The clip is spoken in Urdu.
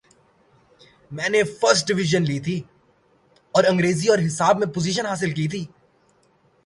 میں نے فرسٹ ڈویژن لی تھی اور انگریزی اور حساب میں پوزیشن حاصل کی تھی۔